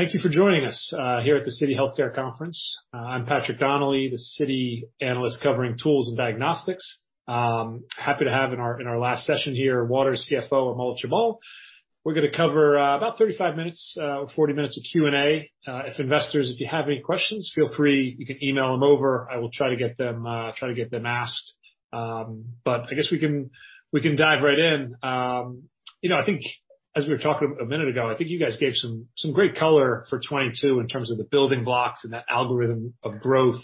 Thank you for joining us here at the Citi Healthcare Conference. I'm Patrick Donnelly, the Citi Analyst covering tools and diagnostics. Happy to have in our last session here, Waters CFO Amol Chaubal. We're going to cover about 35 minutes or 40 minutes of Q&A. If investors, if you have any questions, feel free, you can email them over. I will try to get them asked. But I guess we can dive right in. You know, I think as we were talking a minute ago, I think you guys gave some great color for 2022 in terms of the building blocks and that algorithm of growth.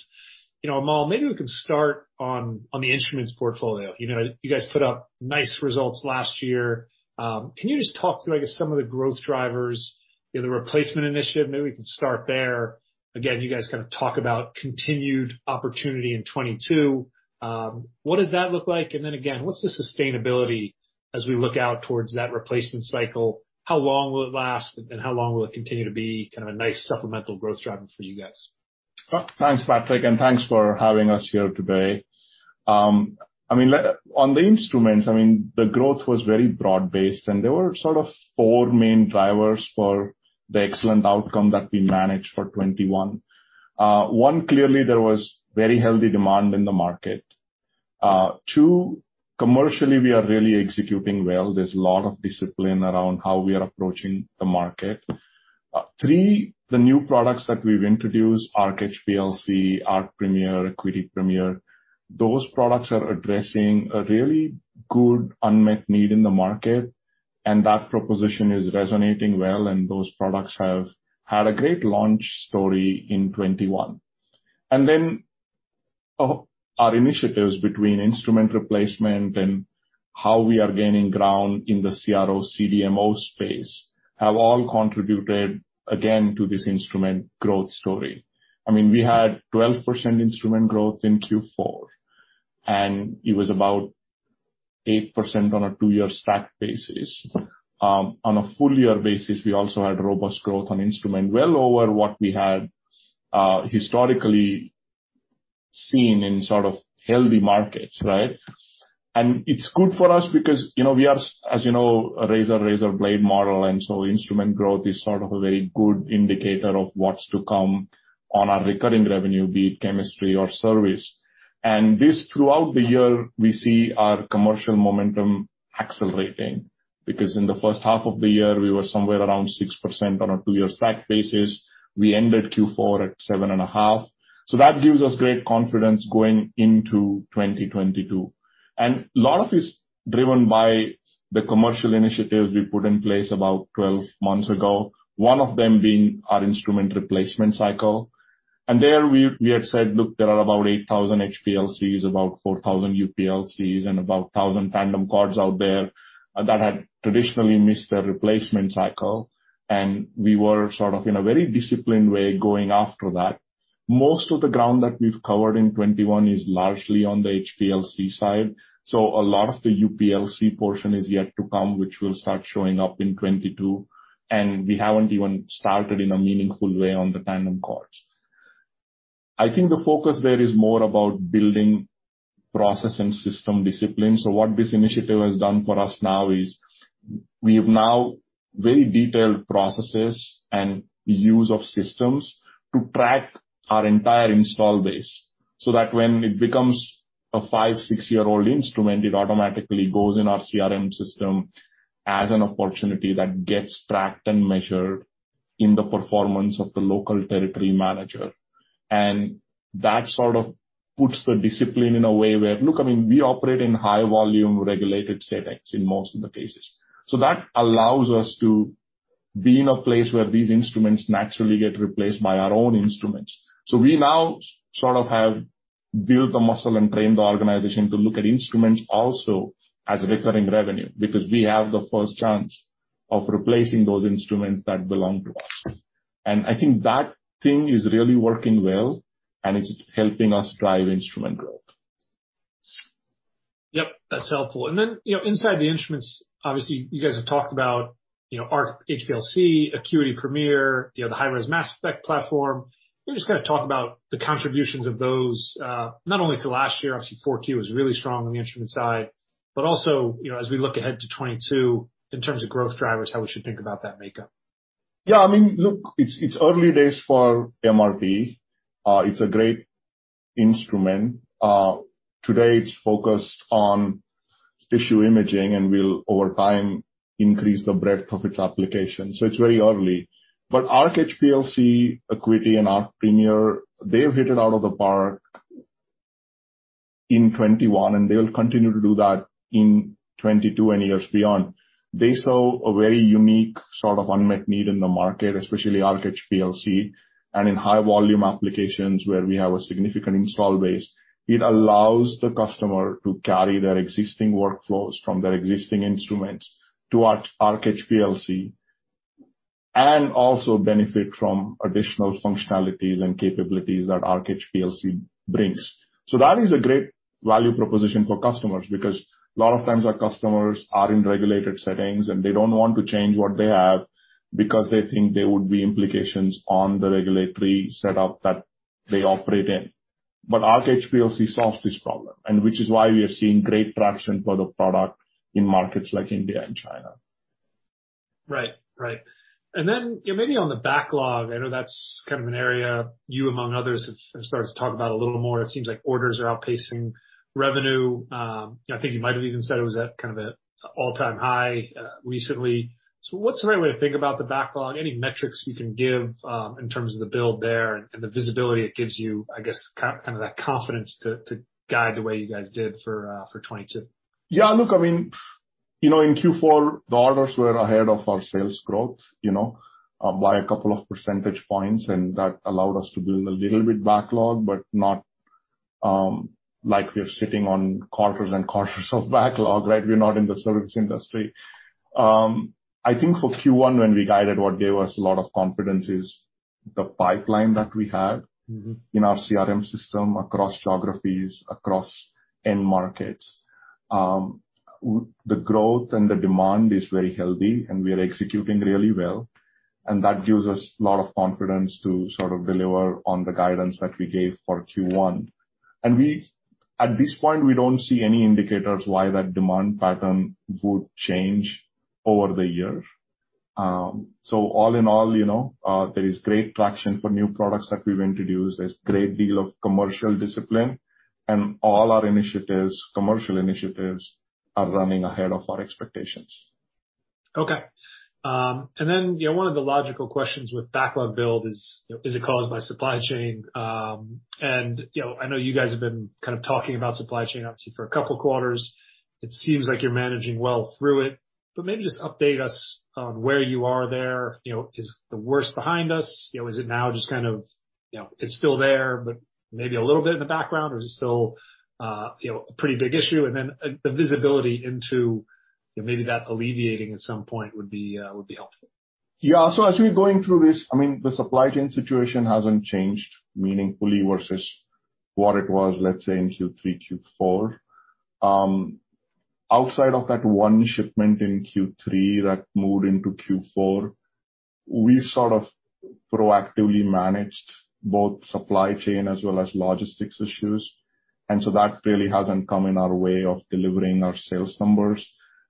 Amol, maybe we can start on the instruments portfolio. You guys put up nice results last year. Can you just talk through, I guess, some of the growth drivers, the replacement initiative? Maybe we can start there. Again, you guys kind of talk about continued opportunity in 2022. What does that look like? And then again, what's the sustainability as we look out towards that replacement cycle? How long will it last? And how long will it continue to be kind of a nice supplemental growth driver for you guys? Thanks, Patrick, and thanks for having us here today. I mean, on the instruments, I mean, the growth was very broad-based, and there were sort of four main drivers for the excellent outcome that we managed for 2021. One, clearly there was very healthy demand in the market. Two, commercially we are really executing well. There's a lot of discipline around how we are approaching the market. Three, the new products that we've introduced, Arc HPLC, Arc Premier, ACQUITY Premier, those products are addressing a really good unmet need in the market, and that proposition is resonating well, and those products have had a great launch story in 2021, and then our initiatives between instrument replacement and how we are gaining ground in the CRO/CDMO space have all contributed, again, to this instrument growth story. I mean, we had 12% instrument growth in Q4, and it was about 8% on a two-year stack basis. On a full-year basis, we also had robust growth on instrument, well over what we had historically seen in sort of healthy markets, right, and it's good for us because, you know, we are, as you know, a razor-razor blade model, and so instrument growth is sort of a very good indicator of what's to come on our recurring revenue, be it chemistry or service, and this, throughout the year, we see our commercial momentum accelerating because in the first half of the year, we were somewhere around 6% on a two-year stack basis. We ended Q4 at 7.5, so that gives us great confidence going into 2022. And a lot of it's driven by the commercial initiatives we put in place about 12 months ago, one of them being our instrument replacement cycle. And there we had said, look, there are about 8,000 HPLCs, about 4,000 UPLCs, and about 1,000 tandem quads out there that had traditionally missed their replacement cycle. And we were sort of in a very disciplined way going after that. Most of the ground that we've covered in 2021 is largely on the HPLC side. So a lot of the UPLC portion is yet to come, which will start showing up in 2022. And we haven't even started in a meaningful way on the tandem quads. I think the focus there is more about building process and system discipline. So what this initiative has done for us now is we have now very detailed processes and use of systems to track our entire installed base so that when it becomes a five, six-year-old instrument, it automatically goes in our CRM system as an opportunity that gets tracked and measured in the performance of the local territory manager. And that sort of puts the discipline in a way where, look, I mean, we operate in high-volume regulated settings in most of the cases. So that allows us to be in a place where these instruments naturally get replaced by our own instruments. So we now sort of have built the muscle and trained the organization to look at instruments also as recurring revenue because we have the first chance of replacing those instruments that belong to us. I think that thing is really working well, and it's helping us drive instrument growth. Yep, that's helpful. And then inside the instruments, obviously you guys have talked about Arc HPLC, ACQUITY Premier, the high-res mass spec platform. We're just going to talk about the contributions of those, not only to last year, obviously 4Q was really strong on the instrument side, but also as we look ahead to 2022 in terms of growth drivers, how we should think about that makeup. Yeah, I mean, look, it's early days for MRT. It's a great instrument. Today it's focused on tissue imaging, and we'll over time increase the breadth of its application. So it's very early. But Arc HPLC, ACQUITY, and Arc Premier, they've hit it out of the park in 2021, and they will continue to do that in 2022 and years beyond. They saw a very unique sort of unmet need in the market, especially Arc HPLC, and in high-volume applications where we have a significant install base. It allows the customer to carry their existing workflows from their existing instruments to Arc HPLC and also benefit from additional functionalities and capabilities that Arc HPLC brings. That is a great value proposition for customers because a lot of times our customers are in regulated settings, and they don't want to change what they have because they think there would be implications on the regulatory setup that they operate in. But Arc HPLC solves this problem, which is why we are seeing great traction for the product in markets like India and China. Right, right. And then maybe on the backlog, I know that's kind of an area you among others have started to talk about a little more. It seems like orders are outpacing revenue. I think you might have even said it was at kind of an all-time high recently. So what's the right way to think about the backlog? Any metrics you can give in terms of the build there and the visibility it gives you, I guess, kind of that confidence to guide the way you guys did for 2022? Yeah, look, I mean, you know in Q4, the orders were ahead of our sales growth by a couple of percentage points, and that allowed us to build a little bit backlog, but not like we're sitting on quarters and quarters of backlog, right? We're not in the service industry. I think for Q1, when we guided what gave us a lot of confidence is the pipeline that we had in our CRM system across geographies, across end markets. The growth and the demand is very healthy, and we are executing really well. And that gives us a lot of confidence to sort of deliver on the guidance that we gave for Q1. And at this point, we don't see any indicators why that demand pattern would change over the year. So all in all, you know, there is great traction for new products that we've introduced. There's a great deal of commercial discipline, and all our initiatives, commercial initiatives, are running ahead of our expectations. Okay. And then one of the logical questions with backlog build is, is it caused by supply chain? And I know you guys have been kind of talking about supply chain, obviously, for a couple of quarters. It seems like you're managing well through it, but maybe just update us on where you are there. Is the worst behind us? Is it now just kind of, it's still there, but maybe a little bit in the background? Or is it still a pretty big issue? And then the visibility into maybe that alleviating at some point would be helpful. Yeah, so as we're going through this, I mean, the supply chain situation hasn't changed meaningfully versus what it was, let's say, in Q3, Q4. Outside of that one shipment in Q3 that moved into Q4, we sort of proactively managed both supply chain as well as logistics issues, and so that really hasn't come in our way of delivering our sales numbers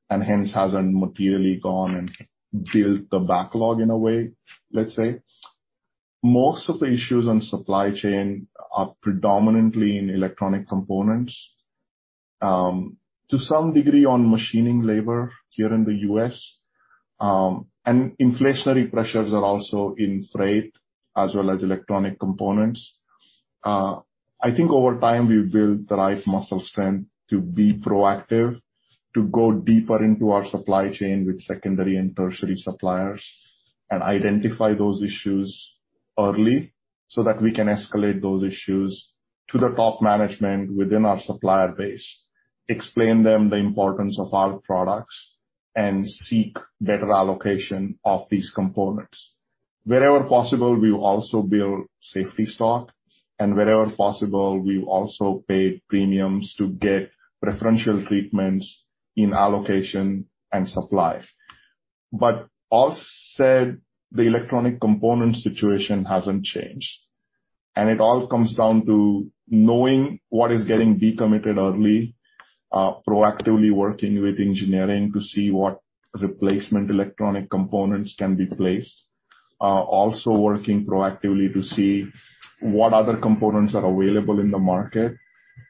and hence hasn't materially gone and built the backlog in a way, let's say. Most of the issues on supply chain are predominantly in electronic components, to some degree on machining labor here in the U.S., and inflationary pressures are also in freight as well as electronic components. I think over time we've built the right muscle strength to be proactive, to go deeper into our supply chain with secondary and tertiary suppliers and identify those issues early so that we can escalate those issues to the top management within our supplier base, explain to them the importance of our products, and seek better allocation of these components. Wherever possible, we've also built safety stock, and wherever possible, we've also paid premiums to get preferential treatments in allocation and supply. But all said, the electronic component situation hasn't changed. And it all comes down to knowing what is getting decommitted early, proactively working with engineering to see what replacement electronic components can be placed, also working proactively to see what other components are available in the market,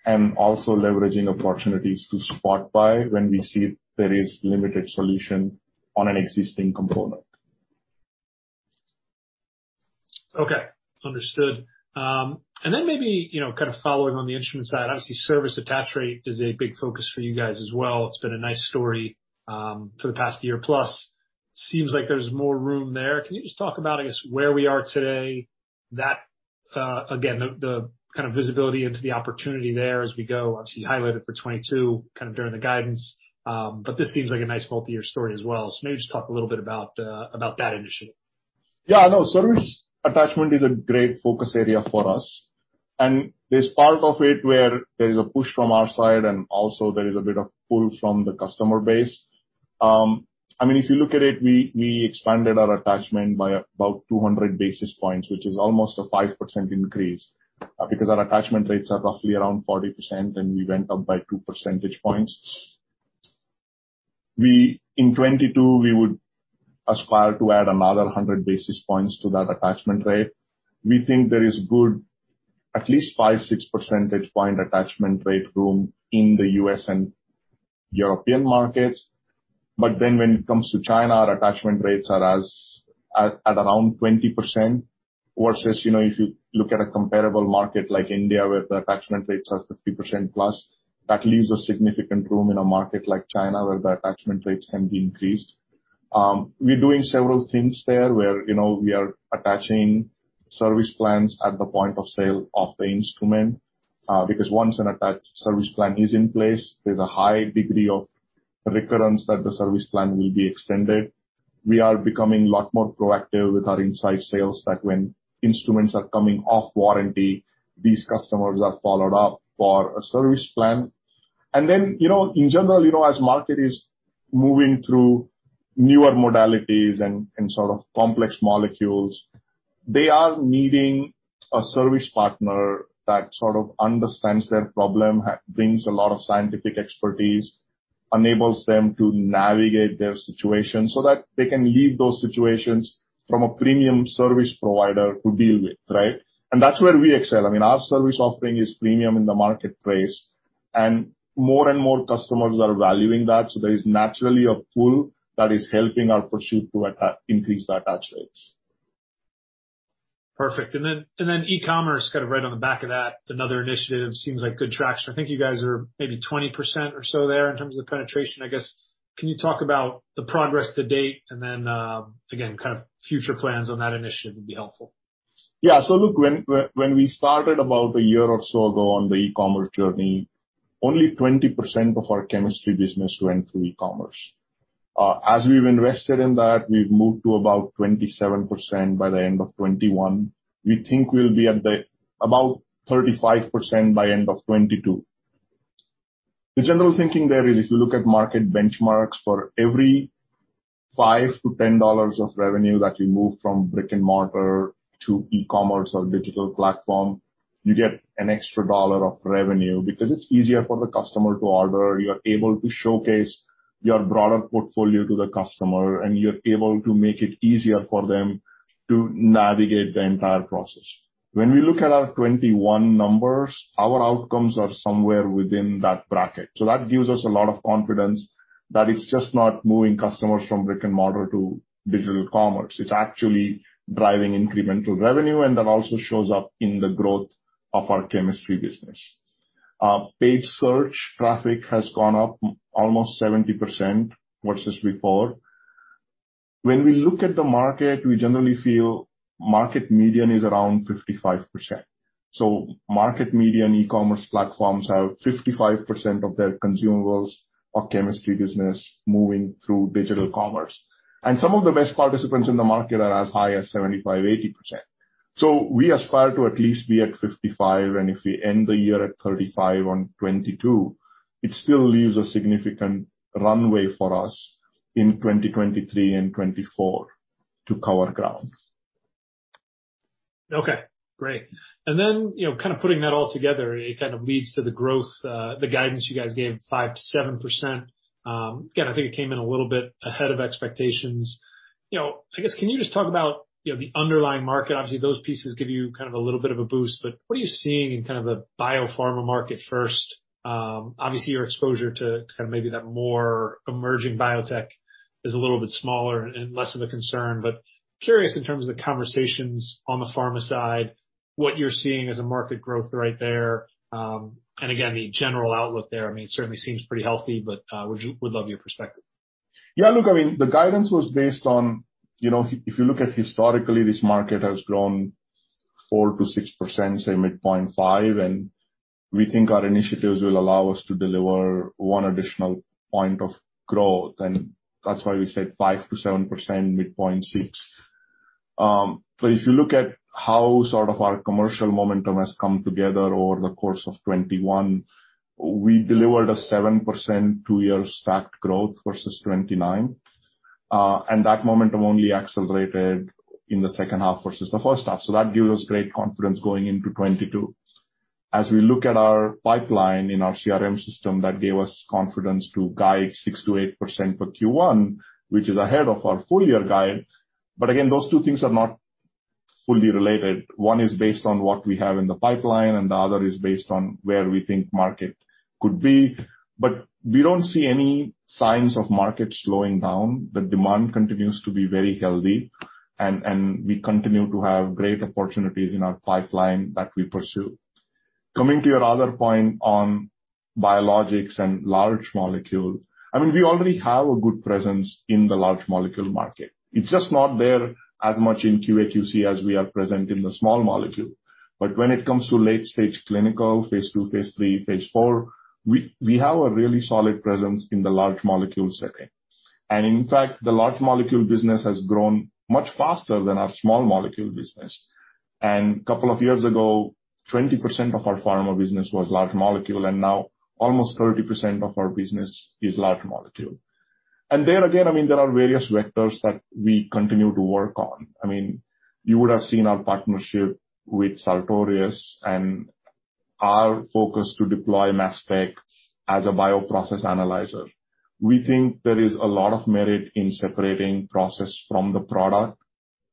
and also leveraging opportunities to spot buy when we see there is limited solution on an existing component. Okay, understood. And then maybe kind of following on the instrument side, obviously service attach rate is a big focus for you guys as well. It's been a nice story for the past year plus. Seems like there's more room there. Can you just talk about, I guess, where we are today? Again, the kind of visibility into the opportunity there as we go, obviously highlighted for 2022 kind of during the guidance, but this seems like a nice multi-year story as well. So maybe just talk a little bit about that initiative. Yeah, no, service attachment is a great focus area for us, and there's part of it where there is a push from our side, and also there is a bit of pull from the customer base. I mean, if you look at it, we expanded our attachment by about 200 basis points, which is almost a 5% increase because our attachment rates are roughly around 40%, and we went up by two percentage points. In 2022, we would aspire to add another 100 basis points to that attachment rate. We think there is good, at least five-six percentage point attachment rate room in the U.S. and European markets. But then when it comes to China, our attachment rates are at around 20% versus if you look at a comparable market like India where the attachment rates are 50% plus, that leaves a significant room in a market like China where the attachment rates can be increased. We're doing several things there where we are attaching service plans at the point of sale of the instrument because once an attached service plan is in place, there's a high degree of recurrence that the service plan will be extended. We are becoming a lot more proactive with our inside sales that when instruments are coming off warranty, these customers are followed up for a service plan. And then in general, as market is moving through newer modalities and sort of complex molecules, they are needing a service partner that sort of understands their problem, brings a lot of scientific expertise, enables them to navigate their situation so that they can leave those situations from a premium service provider to deal with, right? And that's where we excel. I mean, our service offering is premium in the marketplace, and more and more customers are valuing that. So there is naturally a pull that is helping our pursuit to increase the attach rates. Perfect. And then e-commerce, kind of right on the back of that, another initiative seems like good traction. I think you guys are maybe 20% or so there in terms of the penetration, I guess. Can you talk about the progress to date and then again, kind of future plans on that initiative would be helpful. Yeah, so look, when we started about a year or so ago on the e-commerce journey, only 20% of our chemistry business went through e-commerce. As we've invested in that, we've moved to about 27% by the end of 2021. We think we'll be at about 35% by end of 2022. The general thinking there is if you look at market benchmarks for every $5-$10 of revenue that you move from brick and mortar to e-commerce or digital platform, you get an extra dollar of revenue because it's easier for the customer to order. You're able to showcase your broader portfolio to the customer, and you're able to make it easier for them to navigate the entire process. When we look at our 2021 numbers, our outcomes are somewhere within that bracket. That gives us a lot of confidence that it's just not moving customers from brick and mortar to digital commerce. It's actually driving incremental revenue, and that also shows up in the growth of our chemistry business. Page search traffic has gone up almost 70% versus before. When we look at the market, we generally feel market median is around 55%. Market median e-commerce platforms have 55% of their consumables or chemistry business moving through digital commerce. Some of the best participants in the market are as high as 75%-80%. We aspire to at least be at 55%, and if we end the year at 35% on 2022, it still leaves a significant runway for us in 2023 and 2024 to cover ground. Okay, great. And then, kind of putting that all together, it kind of leads to the growth, the guidance you guys gave: 5%-7%. Again, I think it came in a little bit ahead of expectations. I guess, can you just talk about the underlying market? Obviously, those pieces give you kind of a little bit of a boost, but what are you seeing in kind of the biopharma market first? Obviously, your exposure to kind of maybe that more emerging biotech is a little bit smaller and less of a concern, but curious in terms of the conversations on the pharma side, what you're seeing as a market growth right there? And again, the general outlook there, I mean, it certainly seems pretty healthy, but would love your perspective. Yeah, look, I mean, the guidance was based on, if you look at historically, this market has grown 4%-6%, say midpoint 5%, and we think our initiatives will allow us to deliver one additional point of growth, and that's why we said 5%-7%, midpoint 6%. But if you look at how sort of our commercial momentum has come together over the course of 2021, we delivered a 7% two-year stacked growth versus 2019, and that momentum only accelerated in the second half versus the first half, so that gives us great confidence going into 2022. As we look at our pipeline in our CRM system, that gave us confidence to guide 6%-8% for Q1, which is ahead of our full-year guide, but again, those two things are not fully related. One is based on what we have in the pipeline, and the other is based on where we think market could be. But we don't see any signs of market slowing down. The demand continues to be very healthy, and we continue to have great opportunities in our pipeline that we pursue. Coming to your other point on biologics and large molecule, I mean, we already have a good presence in the large molecule market. It's just not there as much in QA/QC as we are present in the small molecule. But when it comes to late-stage clinical, Phase 2, Phase 3, Phase 4, we have a really solid presence in the large molecule setting. And in fact, the large molecule business has grown much faster than our small molecule business. A couple of years ago, 20% of our pharma business was large molecule, and now almost 30% of our business is large molecule. There again, I mean, there are various vectors that we continue to work on. I mean, you would have seen our partnership with Sartorius and our focus to deploy mass spec as a bioprocess analyzer. We think there is a lot of merit in separating process from the product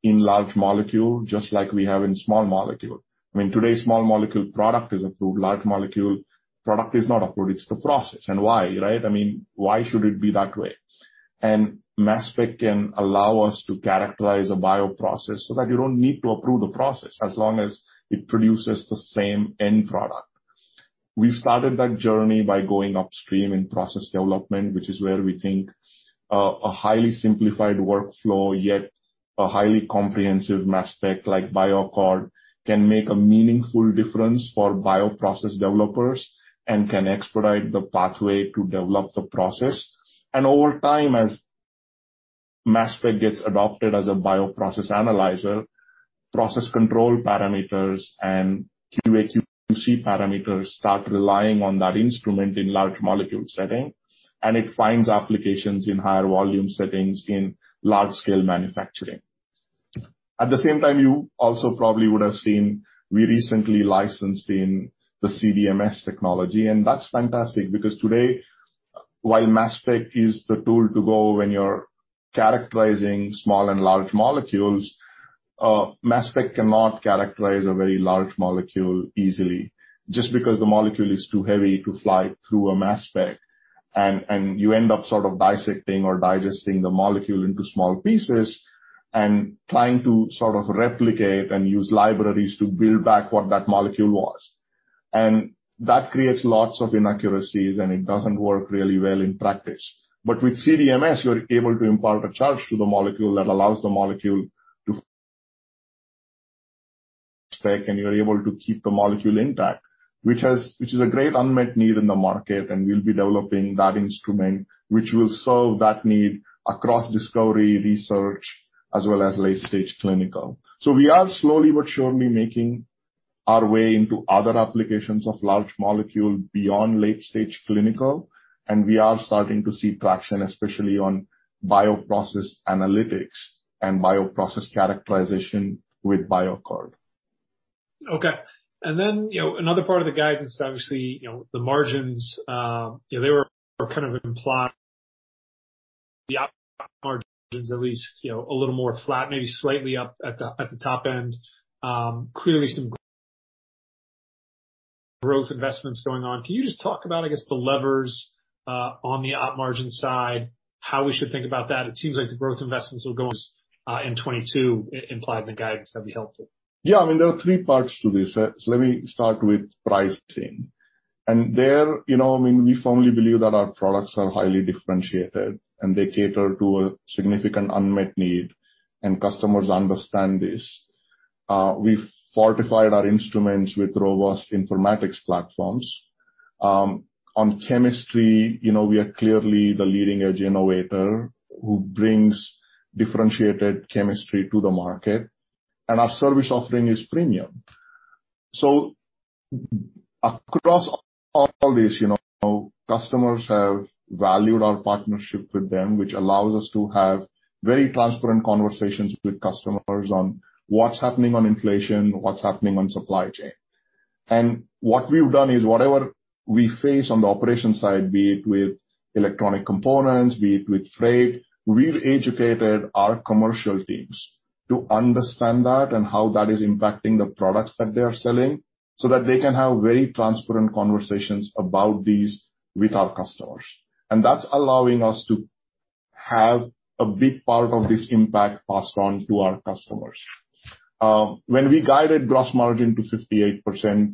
in large molecule, just like we have in small molecule. I mean, today small molecule product is approved, large molecule product is not approved. It's the process. And why, right? I mean, why should it be that way? Mass spec can allow us to characterize a bioprocess so that you don't need to approve the process as long as it produces the same end product. We've started that journey by going upstream in process development, which is where we think a highly simplified workflow, yet a highly comprehensive mass spec like BioAccord can make a meaningful difference for bioprocess developers and can expedite the pathway to develop the process, and over time, as mass spec gets adopted as a bioprocess analyzer, process control parameters and QA/QC parameters start relying on that instrument in large molecule setting, and it finds applications in higher volume settings in large-scale manufacturing. At the same time, you also probably would have seen we recently licensed in the CDMS technology, and that's fantastic because today, while mass spec is the tool to go when you're characterizing small and large molecules, mass spec cannot characterize a very large molecule easily just because the molecule is too heavy to fly through a mass spec, and you end up sort of dissecting or digesting the molecule into small pieces and trying to sort of replicate and use libraries to build back what that molecule was, and that creates lots of inaccuracies, and it doesn't work really well in practice. But with CDMS, you're able to impart a charge to the molecule that allows the molecule to be detected, and you're able to keep the molecule intact, which is a great unmet need in the market, and we'll be developing that instrument which will serve that need across discovery research as well as late-stage clinical. So we are slowly but surely making our way into other applications of large molecule beyond late-stage clinical, and we are starting to see traction, especially on bioprocess analytics and bioprocess characterization with BioAccord. Okay. And then another part of the guidance, obviously, the margins, they were kind of implied, the margins at least a little more flat, maybe slightly up at the top end. Clearly, some growth investments going on. Can you just talk about, I guess, the levers on the up margin side, how we should think about that? It seems like the growth investments will go in 2022 implied in the guidance. That'd be helpful. Yeah, I mean, there are three parts to this. Let me start with pricing, and there, I mean, we firmly believe that our products are highly differentiated, and they cater to a significant unmet need, and customers understand this. We've fortified our instruments with robust informatics platforms. On chemistry, we are clearly the leading-edge innovator who brings differentiated chemistry to the market, and our service offering is premium, so across all this, customers have valued our partnership with them, which allows us to have very transparent conversations with customers on what's happening on inflation, what's happening on supply chain. What we've done is whatever we face on the operation side, be it with electronic components, be it with freight, we've educated our commercial teams to understand that and how that is impacting the products that they are selling so that they can have very transparent conversations about these with our customers. That's allowing us to have a big part of this impact passed on to our customers. When we guided gross margin to 58%,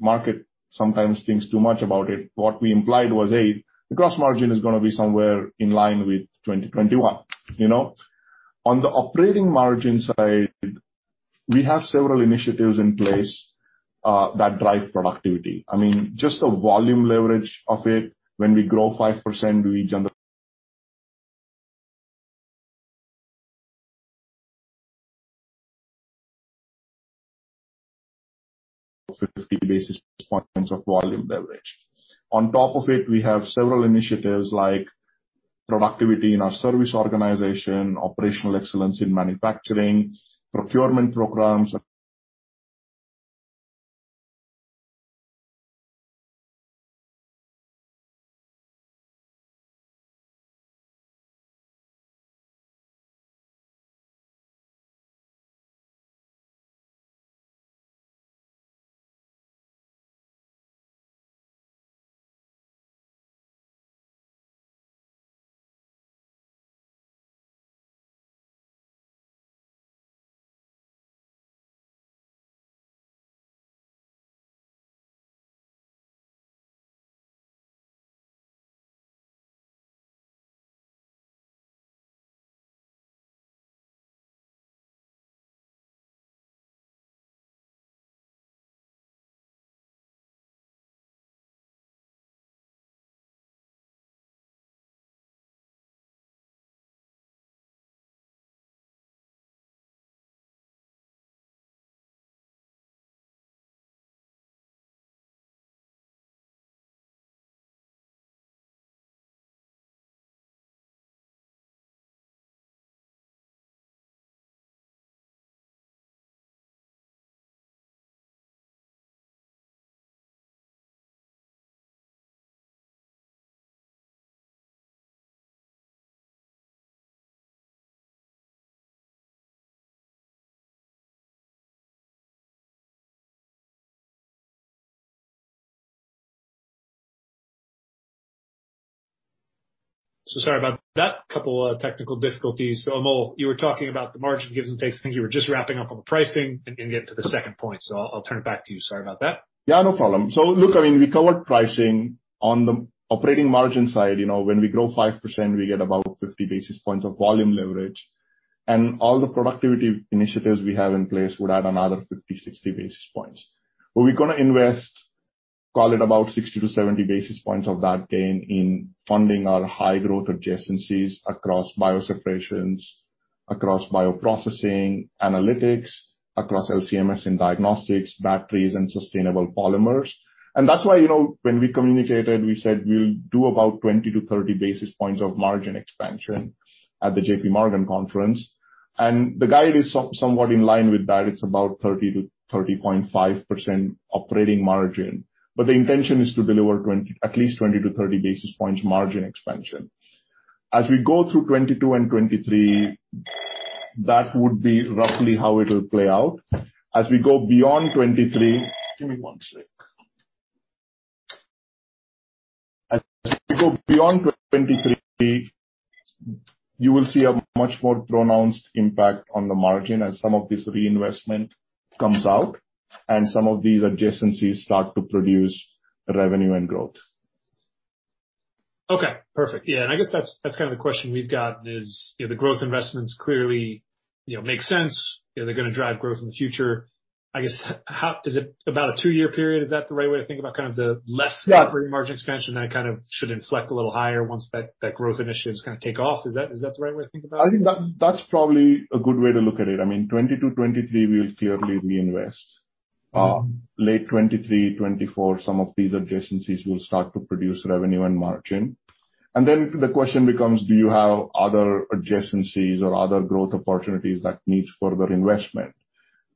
market sometimes thinks too much about it. What we implied was, hey, the gross margin is going to be somewhere in line with 2021. On the operating margin side, we have several initiatives in place that drive productivity. I mean, just the volume leverage of it, when we grow 5%, we generally have 50 basis points of volume leverage. On top of it, we have several initiatives like productivity in our service organization, operational excellence in manufacturing, procurement programs So sorry about that couple of technical difficulties. So Amol, you were talking about the margin gives and takes. I think you were just wrapping up on the pricing and getting to the second point. So I'll turn it back to you. Sorry about that. Yeah, no problem. So look, I mean, we covered pricing. On the operating margin side, when we grow 5%, we get about 50 basis points of volume leverage. And all the productivity initiatives we have in place would add another 50, 60 basis points. But we're going to invest, call it about 60-70 basis points of that gain in funding our high-growth adjacencies across bioseparations, across bioprocessing analytics, across LC-MS and diagnostics, batteries, and sustainable polymers. And that's why when we communicated, we said we'll do about 20-30 basis points of margin expansion at the J.P. Morgan conference. And the guide is somewhat in line with that. It's about 30%-30.5% operating margin. But the intention is to deliver at least 20-30 basis points margin expansion. As we go through 2022 and 2023, that would be roughly how it will play out. As we go beyond 2023, you will see a much more pronounced impact on the margin as some of this reinvestment comes out and some of these adjacencies start to produce revenue and growth. Okay, perfect. Yeah. And I guess that's kind of the question we've got, is the growth investments clearly make sense? They're going to drive growth in the future. I guess, is it about a two-year period? Is that the right way to think about kind of the less margin expansion that kind of should inflect a little higher once that growth initiatives kind of take off? Is that the right way to think about it? I think that's probably a good way to look at it. I mean, 2022, 2023, we'll clearly reinvest. Late 2023, 2024, some of these adjacencies will start to produce revenue and margin. And then the question becomes, do you have other adjacencies or other growth opportunities that need further investment?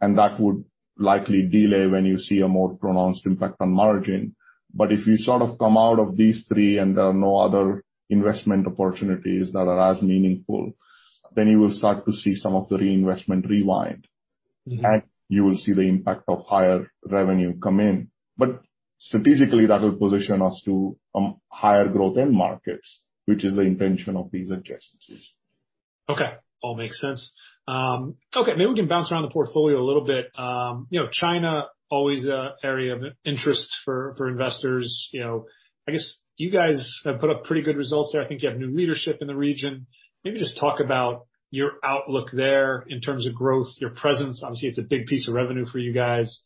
And that would likely delay when you see a more pronounced impact on margin. But if you sort of come out of these three and there are no other investment opportunities that are as meaningful, then you will start to see some of the reinvestment rewind. And you will see the impact of higher revenue come in. But strategically, that will position us to higher growth in markets, which is the intention of these adjacencies. Okay. All makes sense. Okay. Maybe we can bounce around the portfolio a little bit. China is always an area of interest for investors. I guess you guys have put up pretty good results there. I think you have new leadership in the region. Maybe just talk about your outlook there in terms of growth, your presence. Obviously, it's a big piece of revenue for you guys.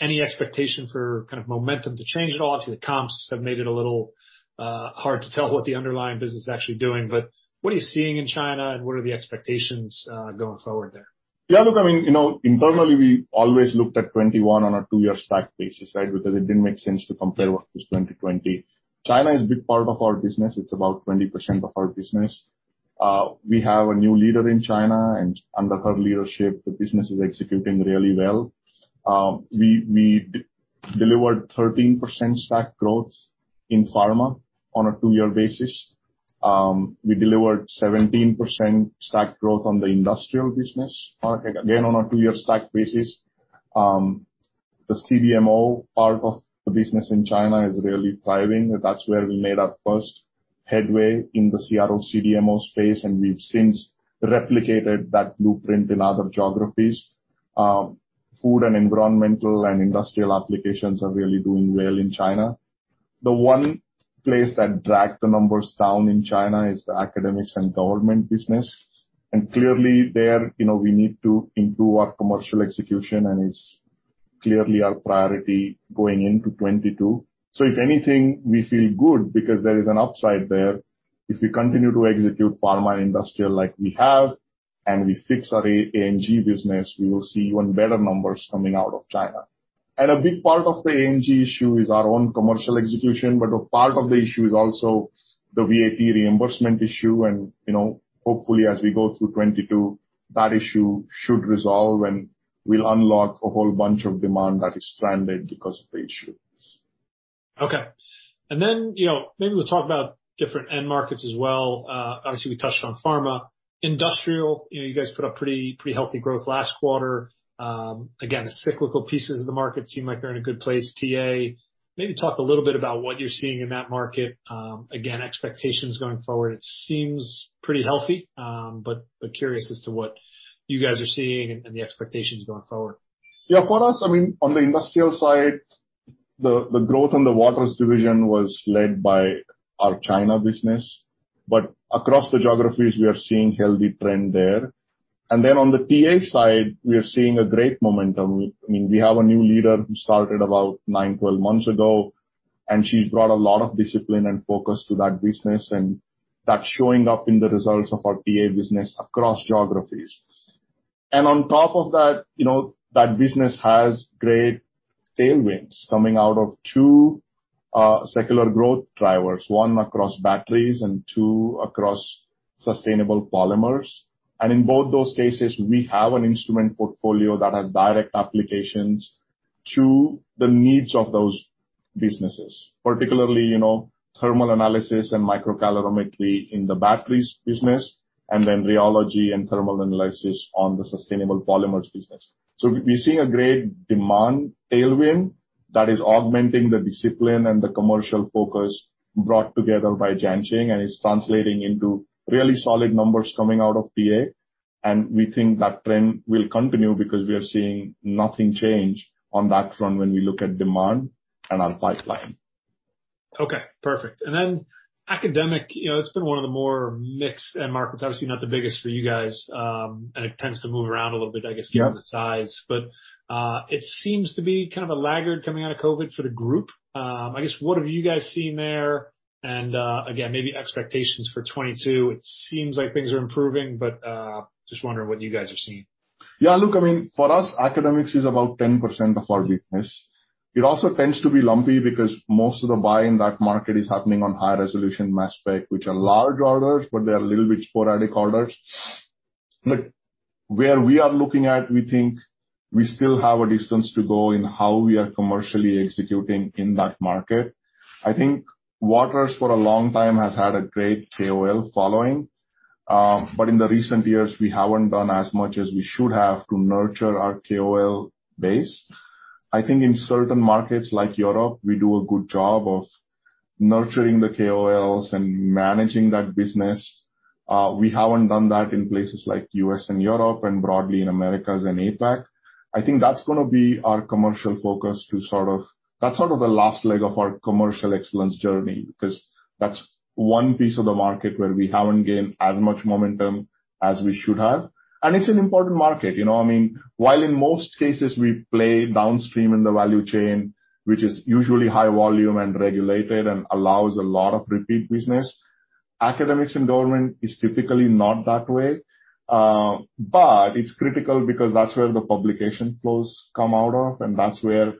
Any expectation for kind of momentum to change at all? Obviously, the comps have made it a little hard to tell what the underlying business is actually doing. But what are you seeing in China, and what are the expectations going forward there? Yeah, look, I mean, internally, we always looked at 2021 on a two-year stack basis, right, because it didn't make sense to compare what was 2020. China is a big part of our business. It's about 20% of our business. We have a new leader in China, and under her leadership, the business is executing really well. We delivered 13% stack growth in pharma on a two-year basis. We delivered 17% stack growth on the industrial business, again, on a two-year stack basis. The CDMO part of the business in China is really thriving. That's where we made our first headway in the CRO CDMO space, and we've since replicated that blueprint in other geographies. Food and environmental and industrial applications are really doing well in China. The one place that dragged the numbers down in China is the academics and government business. And clearly, there we need to improve our commercial execution, and it's clearly our priority going into 2022. So if anything, we feel good because there is an upside there. If we continue to execute pharma and industrial like we have and we fix our ANG business, we will see even better numbers coming out of China. And a big part of the ANG issue is our own commercial execution, but a part of the issue is also the VAT reimbursement issue. And hopefully, as we go through 2022, that issue should resolve, and we'll unlock a whole bunch of demand that is stranded because of the issue. Okay. And then maybe we'll talk about different end markets as well. Obviously, we touched on pharma. Industrial, you guys put up pretty healthy growth last quarter. Again, the cyclical pieces of the market seem like they're in a good place. TA, maybe talk a little bit about what you're seeing in that market. Again, expectations going forward, it seems pretty healthy, but curious as to what you guys are seeing and the expectations going forward. Yeah, for us, I mean, on the industrial side, the growth on the Waters division was led by our China business. But across the geographies, we are seeing a healthy trend there. And then on the TA side, we are seeing a great momentum. I mean, we have a new leader who started about nine, 12 months ago, and she's brought a lot of discipline and focus to that business, and that's showing up in the results of our TA business across geographies. And on top of that, that business has great tailwinds coming out of two secular growth drivers, one across batteries and two across sustainable polymers. And in both those cases, we have an instrument portfolio that has direct applications to the needs of those businesses, particularly thermal analysis and microcalorimetry in the batteries business, and then rheology and thermal analysis on the sustainable polymers business. So we're seeing a great demand tailwind that is augmenting the discipline and the commercial focus brought together by Jianqing, and it's translating into really solid numbers coming out of TA. And we think that trend will continue because we are seeing nothing change on that front when we look at demand and our pipeline. Okay. Perfect. And then academic, it's been one of the more mixed end markets. Obviously, not the biggest for you guys, and it tends to move around a little bit, I guess, given the size. But it seems to be kind of a laggard coming out of COVID for the group. I guess, what have you guys seen there? And again, maybe expectations for 2022. It seems like things are improving, but just wondering what you guys are seeing. Yeah, look, I mean, for us, academics is about 10% of our business. It also tends to be lumpy because most of the buy in that market is happening on high-resolution mass spec, which are large orders, but they are a little bit sporadic orders. Look, where we are looking at, we think we still have a distance to go in how we are commercially executing in that market. I think Waters for a long time has had a great KOL following. But in the recent years, we haven't done as much as we should have to nurture our KOL base. I think in certain markets like Europe, we do a good job of nurturing the KOLs and managing that business. We haven't done that in places like U.S. and Europe and broadly in Americas and APAC. I think that's going to be our commercial focus. That's sort of the last leg of our commercial excellence journey because that's one piece of the market where we haven't gained as much momentum as we should have. And it's an important market. I mean, while in most cases, we play downstream in the value chain, which is usually high volume and regulated and allows a lot of repeat business, academics and government is typically not that way. But it's critical because that's where the publication flows come out of, and that's where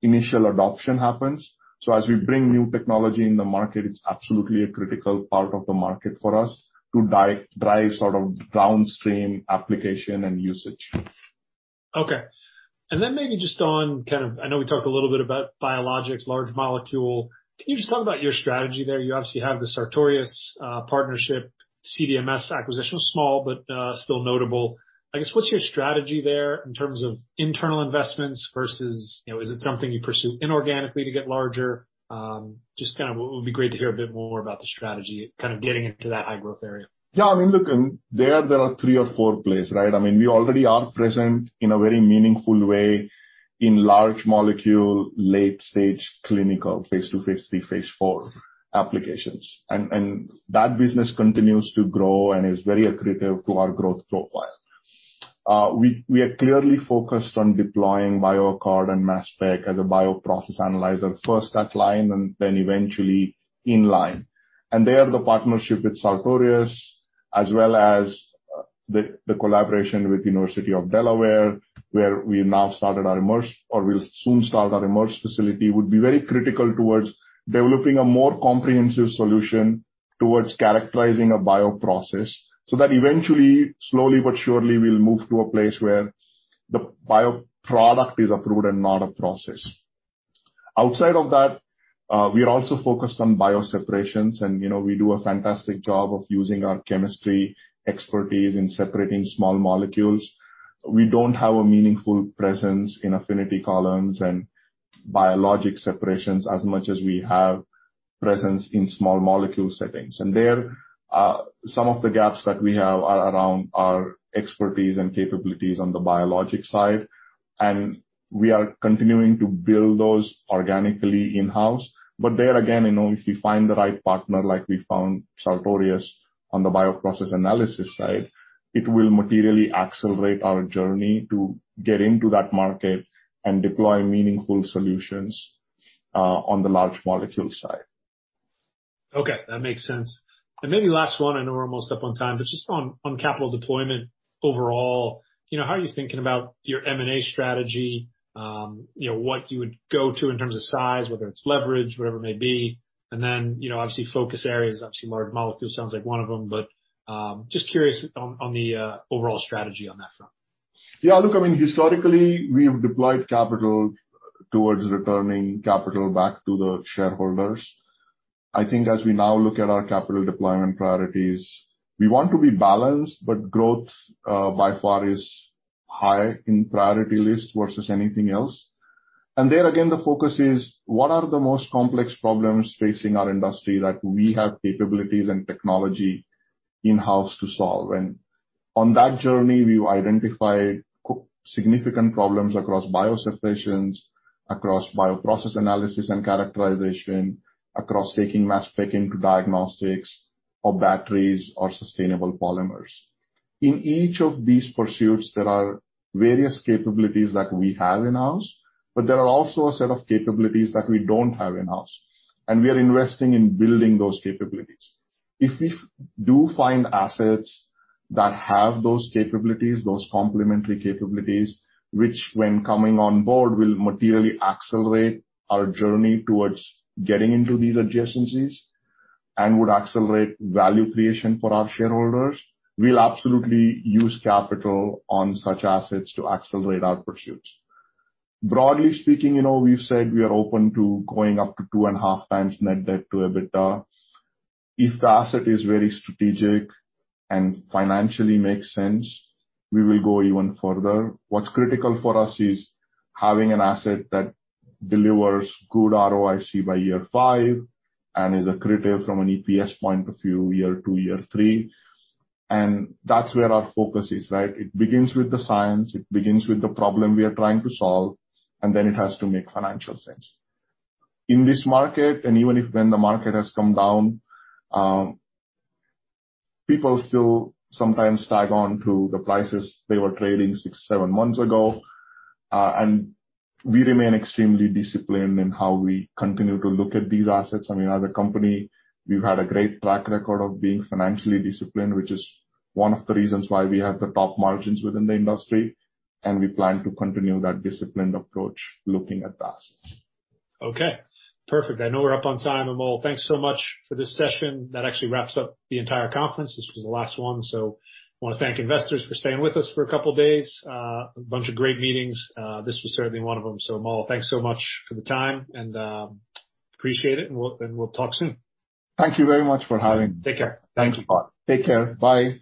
initial adoption happens. So as we bring new technology in the market, it's absolutely a critical part of the market for us to drive sort of downstream application and usage. Okay. And then maybe just on kind of. I know we talked a little bit about biologics, large molecule. Can you just talk about your strategy there? You obviously have the Sartorius partnership, CDMS acquisition, small but still notable. I guess, what's your strategy there in terms of internal investments versus is it something you pursue inorganically to get larger? Just kind of it would be great to hear a bit more about the strategy, kind of getting into that high-growth area. Yeah. I mean, look, there are three or four plays, right? I mean, we already are present in a very meaningful way in large molecule, late-stage clinical, Phase 2, Phase 3, Phase 4 applications. And that business continues to grow and is very accretive to our growth profile. We are clearly focused on deploying BioAccord and mass spec as a bioprocess analyzer, first at-line and then eventually in-line. And there the partnership with Sartorius, as well as the collaboration with the University of Delaware, where we now started our in-process or we'll soon start our in-process facility, would be very critical towards developing a more comprehensive solution towards characterizing a bioprocess so that eventually, slowly but surely, we'll move to a place where the bioproduct is approved and not a process. Outside of that, we are also focused on bioseparations, and we do a fantastic job of using our chemistry expertise in separating small molecules. We don't have a meaningful presence in affinity columns and biologic separations as much as we have presence in small molecule settings. And there, some of the gaps that we have are around our expertise and capabilities on the biologic side. And we are continuing to build those organically in-house. But there, again, if we find the right partner, like we found Sartorius on the bioprocess analysis side, it will materially accelerate our journey to get into that market and deploy meaningful solutions on the large molecule side. Okay. That makes sense and maybe last one, I know we're almost up on time, but just on capital deployment overall, how are you thinking about your M&A strategy, what you would go to in terms of size, whether it's leverage, whatever it may be, and then obviously focus areas. Obviously, large molecule sounds like one of them, but just curious on the overall strategy on that front. Yeah. Look, I mean, historically, we have deployed capital towards returning capital back to the shareholders. I think as we now look at our capital deployment priorities, we want to be balanced, but growth by far is high in priority list versus anything else, and there, again, the focus is what are the most complex problems facing our industry that we have capabilities and technology in-house to solve, and on that journey, we've identified significant problems across bioseparations, across bioprocess analysis and characterization, across taking mass spec into diagnostics of batteries or sustainable polymers. In each of these pursuits, there are various capabilities that we have in-house, but there are also a set of capabilities that we don't have in-house, and we are investing in building those capabilities. If we do find assets that have those capabilities, those complementary capabilities, which when coming on board will materially accelerate our journey towards getting into these adjacencies and would accelerate value creation for our shareholders, we'll absolutely use capital on such assets to accelerate our pursuits. Broadly speaking, we've said we are open to going up to two and a half times net debt to EBITDA. If the asset is very strategic and financially makes sense, we will go even further. What's critical for us is having an asset that delivers good ROIC by year five and is accretive from an EPS point of view, year two, year three. And that's where our focus is, right? It begins with the science. It begins with the problem we are trying to solve, and then it has to make financial sense. In this market, and even if when the market has come down, people still sometimes tag on to the prices they were trading six, seven months ago, and we remain extremely disciplined in how we continue to look at these assets. I mean, as a company, we've had a great track record of being financially disciplined, which is one of the reasons why we have the top margins within the industry, and we plan to continue that disciplined approach looking at the assets. Okay. Perfect. I know we're up on time, Amol. Thanks so much for this session. That actually wraps up the entire conference. This was the last one. So I want to thank investors for staying with us for a couple of days. A bunch of great meetings. This was certainly one of them. So Amol, thanks so much for the time, and appreciate it. And we'll talk soon. Thank you very much for having me. Take care. Thanks. Thanks. Take care. Bye.